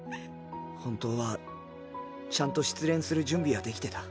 本当はちゃんと失恋する準備はできてた。